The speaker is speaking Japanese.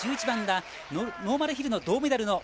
１１番ノーマルヒルの銅メダル